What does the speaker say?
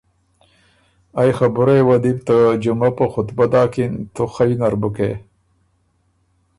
ائ خبُرئ یه وه دی بو ته جمعه په خطبه داکِن، تُو خئ نر بُکې۔